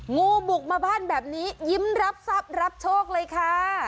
งูบุกมาบ้านแบบนี้ยิ้มรับทรัพย์รับโชคเลยค่ะ